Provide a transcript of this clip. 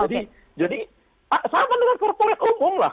jadi sama dengan korporate umum lah